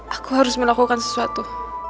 aku harus melakukan sesuatu